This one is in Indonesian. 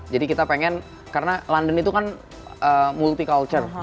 jadi kita pengen karena london itu kan multi culture